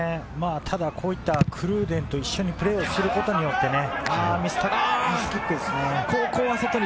こういったクルーデンと一緒にプレーをすることによって。